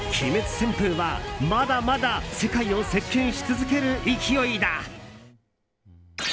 旋風は、まだまだ世界を席巻し続ける勢いだ。